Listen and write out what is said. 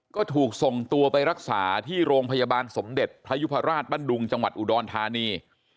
ก็ถูกส่งตัวไปรักษาที่โรงพยาบาลสมเด็จพระยุพราชบ้านดุงจังหวัดอุดรธานี